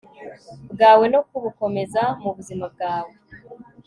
bwawe no kubukomeza mubuzima bwawe